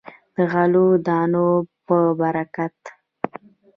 د غلو دانو په برکت.